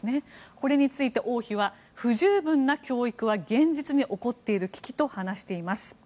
これについて、王妃は不十分な教育は現実に起こっている危機と話しています。